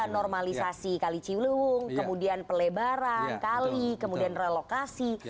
normalisasi kali cilung kemudian pelebaran kali kemudian relokasi